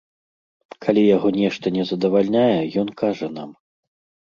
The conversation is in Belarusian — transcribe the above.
Калі яго нешта не задавальняе ён кажа нам.